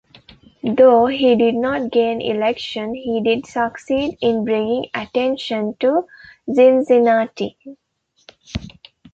Though he did not gain election, he did succeed in bringing attention to Cincinnati.